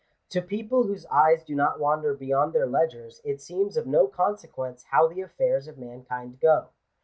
To people whose eyes do not wander beyond their ledgers, it seems of no consequence how the affairs of mankind go.